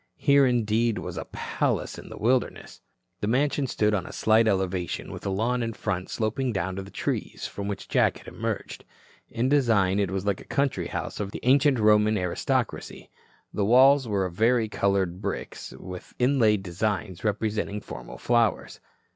Here, indeed, was a palace in the wilderness. The mansion stood on a slight elevation with a lawn in front sloping down to the trees from which Jack had emerged. In design it was like a country house of the ancient Roman aristocracy. The walls were of vari colored brick with inlaid designs representing formal flowers.